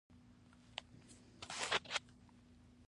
هره خوا ژوند دی وږمې، وږمې دي